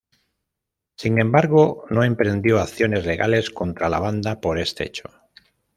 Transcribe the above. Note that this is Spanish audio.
Sin embargo, no emprendió acciones legales contra la banda por este hecho.